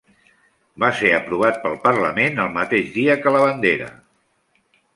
Va ser aprovat pel Parlament el mateix dia que la bandera.